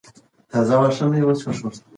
ښوونکي د روښانه راتلونکي تضمین کوي.